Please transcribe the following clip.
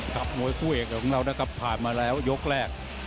มวยคู่เอกของเรานะครับผ่านมาแล้วยกแรก